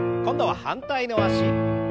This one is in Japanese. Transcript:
今度は反対の脚。